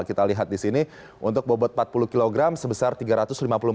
kita lihat di sini untuk bobot empat puluh kg sebesar rp tiga ratus lima puluh